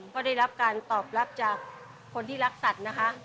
ก็ได้รับการตอบรับจากคนที่รักสัตว์นะคะ